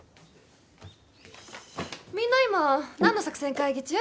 みんな今何の作戦会議中？